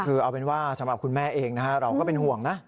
คือเอาเป็นว่าสำหรับคุณแม่เองนะฮะเราก็เป็นห่วงนะ